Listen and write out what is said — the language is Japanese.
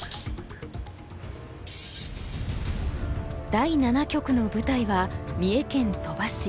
第七局の舞台は三重県鳥羽市。